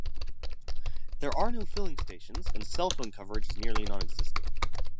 There are no filling stations, and cell-phone coverage is nearly non-existent.